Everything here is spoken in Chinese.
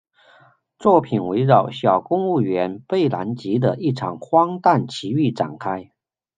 作品围绕小公务员贝兰吉的一场荒诞奇遇展开。